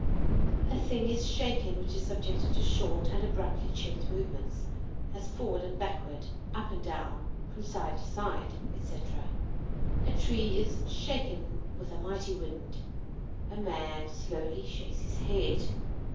A thing is shaken which is subjected to short and abruptly checked movements, as forward and backward, up and down, from side to side, etc. A tree is "shaken with a mighty wind;" a man slowly shakes his head.